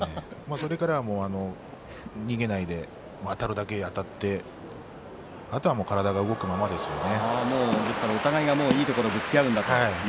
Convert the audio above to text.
それからは逃げないであたるだけあたってあとは体が動くままでしたね。